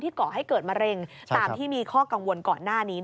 ก่อให้เกิดมะเร็งตามที่มีข้อกังวลก่อนหน้านี้